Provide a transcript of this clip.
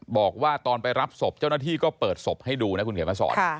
บอกว่าตอนไปรับศพเจ้าหน้าที่ก็เปิดศพให้ดูนะคุณเขียนมาสอน